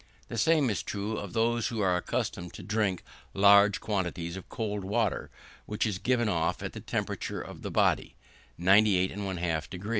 The same is true of those who are accustomed to drink large quantities of cold water, which is given off at the temperature of the body, 98 1/2 deg.